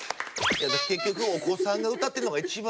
結局お子さんが歌ってるのが一番。